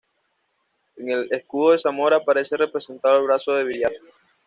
En el escudo de Zamora aparece representado el brazo de Viriato.